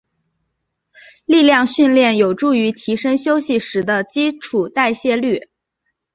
力量训练有助于提升休息时的基础代谢率。